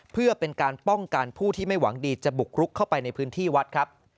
เพื่อเป็นการป้องกันผู้ที่ไม่หวังดีจะบุกรุกเข้าไปในพื้นที่วัดครับ